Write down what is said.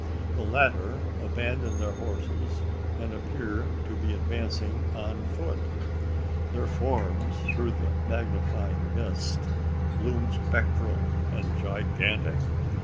The latter abandon their horses, and appear to be advancing on foot. Their forms through the magnifying mist loom spectral and gigantic!